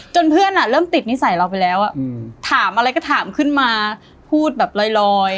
เพื่อนเริ่มติดนิสัยเราไปแล้วถามอะไรก็ถามขึ้นมาพูดแบบลอย